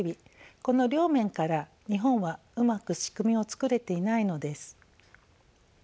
この両面から日本はうまく仕組みをつくれていないのです。